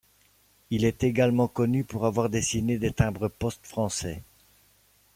Il est également connu pour avoir dessiné des timbres-poste français.